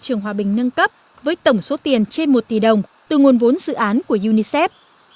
trường hòa bình nâng cấp với tổng số tiền trên một tỷ đồng từ nguồn vốn dự án của unicef